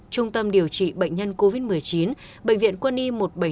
trung tâm điều trị bệnh nhân covid một mươi chín bệnh viện quân y một trăm bảy mươi năm